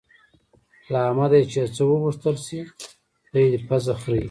له احمده چې څه وغوښتل شي؛ دی پزه خرېي.